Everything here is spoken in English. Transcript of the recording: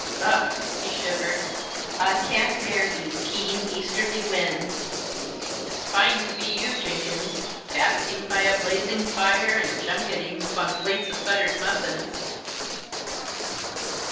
"Ugh!" he shivered, "I can't bear these keen, easterly winds. It's fine to be you, Jenkins! basking by a blazing fire, and junketing upon plates of buttered muffins!"